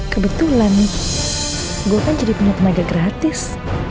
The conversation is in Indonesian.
kebetulan gue kan jadi punya tenaga gratis